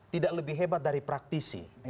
tidak lebih hebat dari praktisi